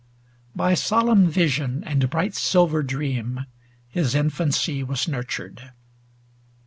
By solemn vision and bright silver dream His infancy was nurtured.